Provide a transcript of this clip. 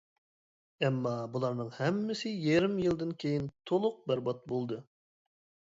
ئەمما بۇلارنىڭ ھەممىسى يېرىم يىلدىن كېيىن تولۇق بەربات بولدى.